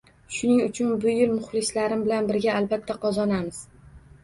Shuning uchun bu yil muhlislarim bilan birga albatta qozonamiz.